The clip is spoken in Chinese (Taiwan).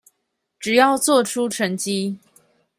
只要做出成績